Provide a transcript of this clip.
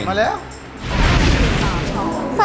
มาแล้ว